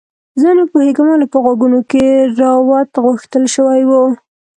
زه نه پوهیږم ولې په غوږونو کې روات غوښتل شوي وو